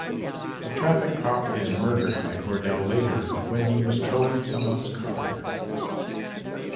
A traffic cop is murdered by Cordell later when he was towing someone's car.